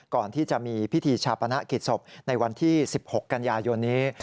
ก่อนที่จะมีพิธีชาปนกิจศพในวันที่๑๖กันยายนนี้